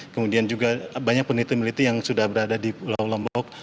kemudian juga banyak peneliti peneliti yang sudah berada di pulau lombok